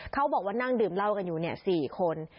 เขาบอกว่านั่งดื่มเหล้ากันอยู่๔คน